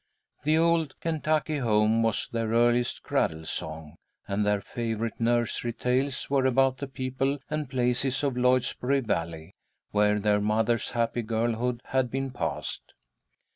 "The Old Kentucky Home" was their earliest cradle song, and their favourite nursery tales were about the people and places of Lloydsboro Valley, where their mother's happy girlhood had been passed.